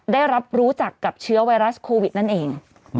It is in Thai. ได้รับรู้จักกับเชื้อไวรัสโควิดนั่นเอง